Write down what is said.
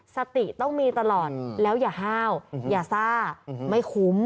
สติต้องมีตลอดแล้วอย่าห้าวอย่าซ่าไม่คุ้ม